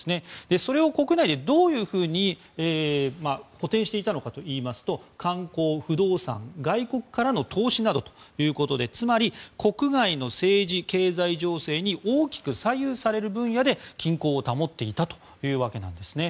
それを国内でどう補填していたのかというと観光、不動産、外国からの投資などということでつまり国外の政治・経済情勢に大きく左右される分野で均衡を保っていたというわけなんです。